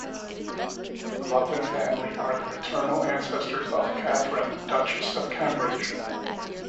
The Lupton family are the paternal ancestors of Catherine, Duchess of Cambridge.